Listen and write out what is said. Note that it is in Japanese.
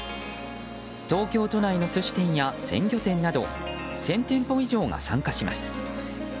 東京都内の寿司店や鮮魚店など１０００店舗以上が参加します。